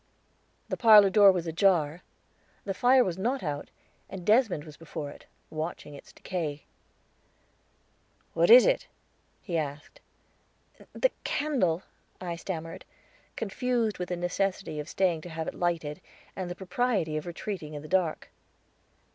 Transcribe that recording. The parlor door was ajar; the fire was not out, and Desmond was before it, watching its decay. "What is it?" he asked. "The candle," I stammered, confused with the necessity of staying to have it lighted, and the propriety of retreating in the dark.